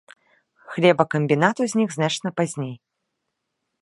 Хлебакамбінат узнік значна пазней.